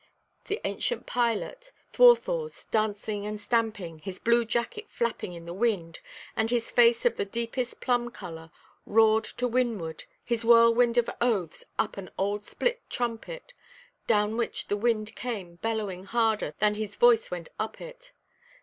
The ancient pilot, Thwarthawse, dancing and stamping, his blue jacket flapping in the wind, and his face of the deepest plum colour, roared to windward his whirlwind of oaths up an old split trumpet, down which the wind came bellowing harder than his voice went up it.